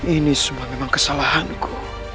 ini semua memang kesalahanku